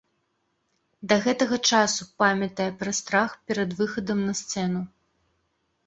Да гэтага часу памятае пра страх перад выхадам на сцэну.